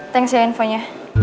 thanks ya infonya